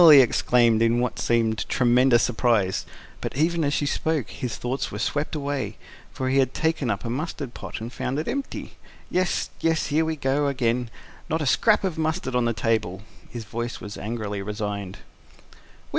he exclaimed, in what seemed tremendous surprise; but, even as she spoke, his thoughts were swept away; for he had taken up a mustard pot and found it empty. "Yes, yes, here we are again! Not a scrap of mustard on the table. " His voice was angrily resigned.